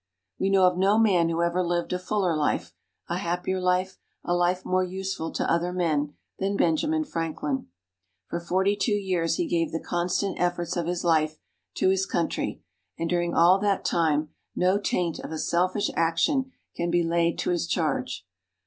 We know of no man who ever lived a fuller life, a happier life, a life more useful to other men, than Benjamin Franklin. For forty two years he gave the constant efforts of his life to his country, and during all that time no taint of a selfish action can be laid to his charge.